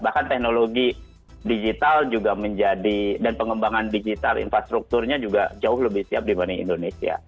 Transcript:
bahkan teknologi digital juga menjadi dan pengembangan digital infrastrukturnya juga jauh lebih siap dibanding indonesia